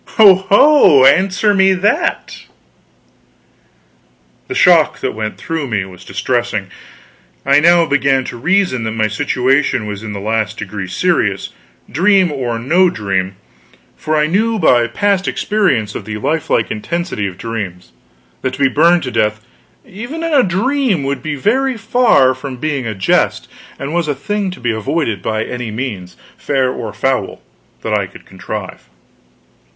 Ho ho answer me that!" The shock that went through me was distressing. I now began to reason that my situation was in the last degree serious, dream or no dream; for I knew by past experience of the lifelike intensity of dreams, that to be burned to death, even in a dream, would be very far from being a jest, and was a thing to be avoided, by any means, fair or foul, that I could contrive.